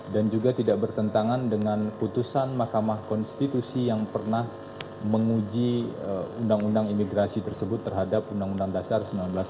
dan juga tidak bertentangan dengan putusan mahkamah konstitusi yang pernah menguji undang undang imigrasi tersebut terhadap undang undang dasar seribu sembilan ratus empat puluh lima